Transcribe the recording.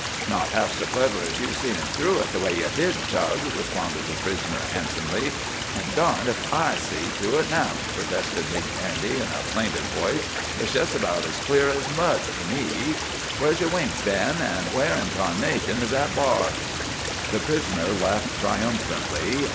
"Not half so clever as you seein' through it the way you did, Tug," responded the prisoner handsomely. "But darned ef I see through it now," protested Big Andy in a plaintive voice. "It's just about as clear as mud to me. Where's your wings, Dan? An' where in tarnation is that b'ar?" The prisoner laughed triumphantly.